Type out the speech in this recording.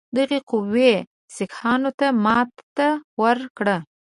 دغې قوې سیکهانو ته ماته ورکړه.